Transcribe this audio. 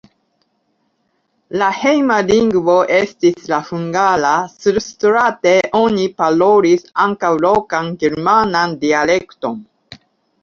La hejma lingvo estis la hungara, surstrate oni parolis ankaŭ lokan germanan dialekton.